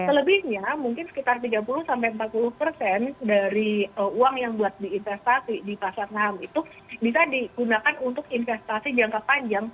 selebihnya mungkin sekitar tiga puluh sampai empat puluh persen dari uang yang buat diinvestasi di pasar saham itu bisa digunakan untuk investasi jangka panjang